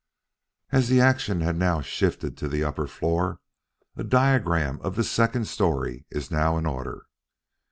As the action has now shifted to the upper floor, a diagram of this second story is now in order.